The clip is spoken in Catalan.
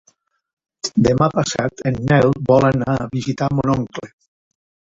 Demà passat en Nel vol anar a visitar mon oncle.